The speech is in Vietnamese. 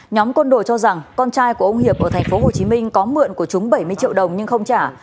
nhóm con đồ cho rằng con trai của ông hiệp ở thành phố hồ chí minh có mượn của chúng bảy mươi triệu đồng nhưng không trả